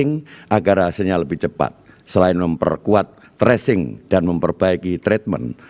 untuk mempercepat proses testing agar hasilnya lebih cepat selain memperkuat tracing dan memperbaiki treatment